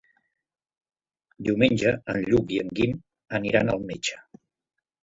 Diumenge en Lluc i en Guim aniran al metge.